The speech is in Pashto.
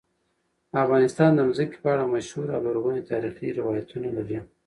افغانستان د ځمکه په اړه مشهور او لرغوني تاریخی روایتونه لري.